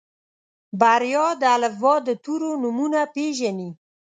بريا د الفبا د تورو نومونه پېژني.